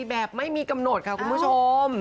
แบบไม่มีกำหนดค่ะคุณผู้ชม